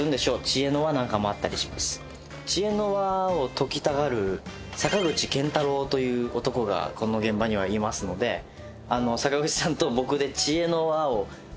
知恵の輪を解きたがる坂口健太郎という男がこの現場にはいますので坂口さんと僕で知恵の輪を。